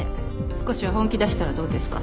少しは本気出したらどうですか？